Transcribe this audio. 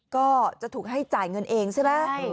ก็จะถูกให้จ่ายเงินเองใช่ไหม